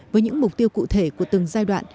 với những mục tiêu cụ thể của từng giai đoạn